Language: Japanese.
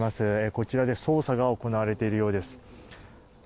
こちらで捜査が行われているようです。